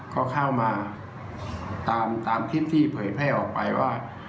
เขาเข้ามาตามที่ที่เผยแพร่ออกไปว่า